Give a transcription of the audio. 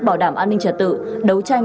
bảo đảm an ninh trật tự đấu tranh